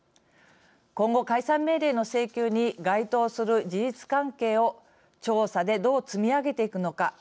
今後、解散命令の請求に該当する事実関係を調査でどう積み上げていくのか。